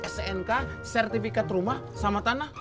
snk sertifikat rumah sama tanah